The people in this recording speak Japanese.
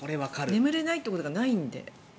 眠れないということがないんで。